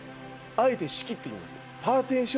あえて仕切っていきます。